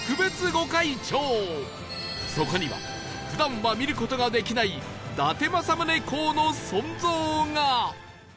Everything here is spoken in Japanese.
そこには普段は見る事ができない伊達政宗公の尊像が